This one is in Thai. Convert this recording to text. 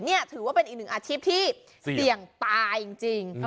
นี่ถือว่าเป็นอีกหนึ่งอาชีพที่เสี่ยงตายจริง